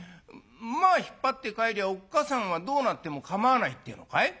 馬引っ張って帰りゃあおっかさんがどうなっても構わないっていうのかい？